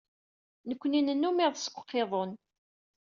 Nekkni nennum iḍes deg uqiḍun.